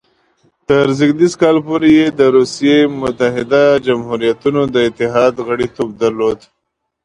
تر زېږدیز کال پورې یې د روسیې متحده جمهوریتونو د اتحاد غړیتوب درلود.